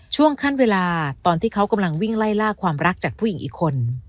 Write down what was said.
ช่วงขั้นเวลาตอนที่เขากำลังวิ่งไล่ล่าความรักจากผู้หญิงอีกคน